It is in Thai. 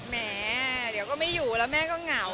แหมเดี๋ยวก็ไม่อยู่แล้วแม่ก็เหงา